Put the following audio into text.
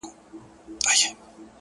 • پرده به خود نو؛ گناه خوره سي؛